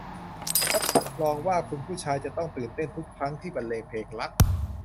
รับรองว่าคุณผู้ชายจะต้องตื่นเต้นทุกครั้งที่บรรเลงเพลงรัก